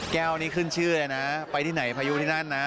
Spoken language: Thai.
แก้วนี้ขึ้นชื่อเลยนะไปที่ไหนพายุที่นั่นนะ